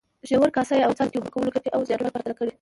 ژور، کاسه یي او څاڅکي اوبه کولو ګټې او زیانونه پرتله کړئ.